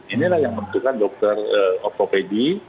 inilah yang menentukan dokter optopedi